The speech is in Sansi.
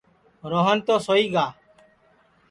روہن تو سوئی گا